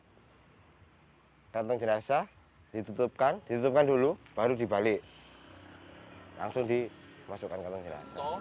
hai kartang jenazah ditutupkan ditutupkan dulu baru dibalik hai langsung di masukkan